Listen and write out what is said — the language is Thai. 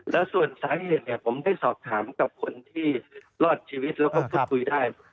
แล้วส่วนสาเหตุเนี่ยผมได้สอบถามกับคนที่รอดชีวิตแล้วก็พูดคุยได้